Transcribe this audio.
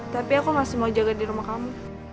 tapi aku masih mau jaga di rumah kamu